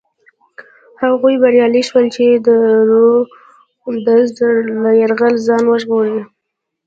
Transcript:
هغوی بریالي شول چې د رودز له یرغله ځان وژغوري.